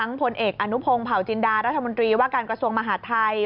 พลเอกอนุพงศ์เผาจินดารัฐมนตรีว่าการกระทรวงมหาดไทย